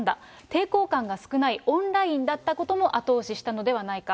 抵抗感が少ないオンラインだったことも後押ししたのではないか。